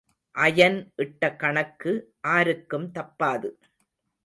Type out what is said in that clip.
Iron இட்ட கணக்கு ஆருக்கும் தப்பாது.